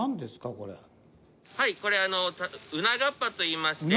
はいこれうながっぱといいまして。